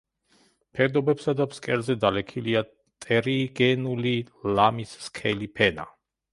ფერდობებსა და ფსკერზე დალექილია ტერიგენული ლამის სქელი ფენა.